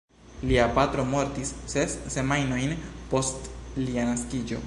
Lia patro mortis ses semajnojn post lia naskiĝo.